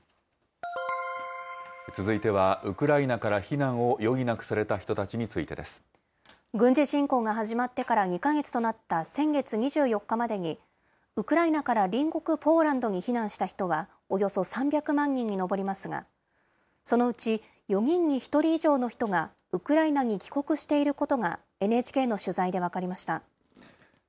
続いてはウクライナから避難を余儀なくされた人たちについてです。軍事侵攻が始まってから２か月となった先月２４日までに、ウクライナから隣国ポーランドに避難した人は、およそ３００万人に上りますが、そのうち４人に１人以上の人が、ウクライナに帰国していることが、ＮＨＫの取材で分かりました。